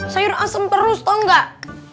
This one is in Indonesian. sayur asem terus tau gak